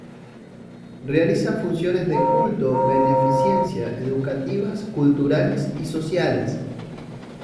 Realiza funciones de culto, beneficencia, educativas, culturales y sociales.